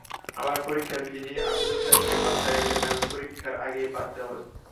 আবার পরীক্ষার ফি নিয়ে আবেদনকারীকে বাছাইয়ের নামে পরীক্ষার আগেই বাদ দেওয়া হচ্ছে।